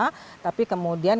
habitat owa jawa tapi kemudian